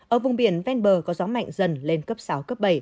ở vùng biển ven bờ có gió mạnh dần lên cấp sáu cấp bảy